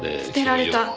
捨てられた。